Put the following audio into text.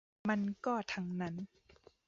มันก็ทั้งนั้น